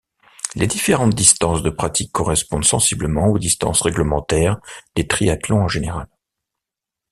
Les différentes distances de pratique correspondent sensiblement aux distances réglementaires des triathlons en général.